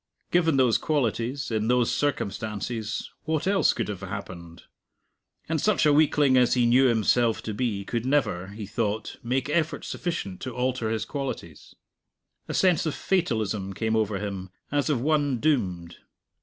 Given those qualities, in those circumstances, what else could have happened? And such a weakling as he knew himself to be could never he thought make effort sufficient to alter his qualities. A sense of fatalism came over him, as of one doomed.